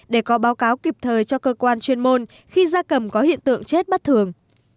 để có báo cáo kịp thời cho cơ quan chuyên môn khi gia cầm có hiện tượng chết bất thường